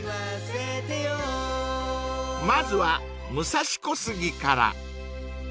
［まずは武蔵小杉から］